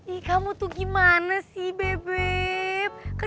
i kamu tuh gimana sih bebek